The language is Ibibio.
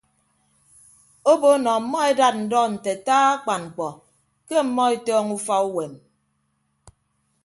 Obo nọ ọmmọ edat ndọ nte ataa akpan mkpọ ke ọmmọ etọọñọ ufa uwem.